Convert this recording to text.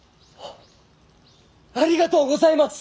ありがとうございます！